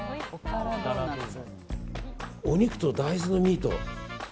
お肉と大豆のミート。